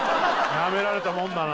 なめられたもんだな。